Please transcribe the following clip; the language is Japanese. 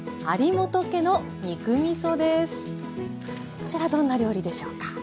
こちらどんな料理でしょうか？